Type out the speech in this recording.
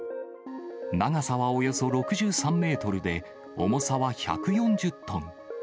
長さはおよそ６３メートルで、重さは１４０トン。